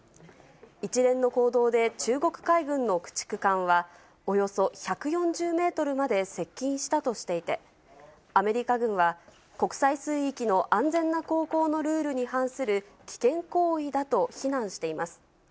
一連の行動で中国海軍の駆逐艦は、およそ１４０メートルまで接近したとしていて、アメリカ軍は、国際水域の安全な航行のルールに反する危険行為だと非難しています。